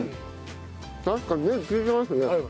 確かにネギ利いてますね。